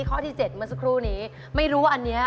ข้อที่๗เมื่อสักครู่นี้ไม่รู้ว่าอันนี้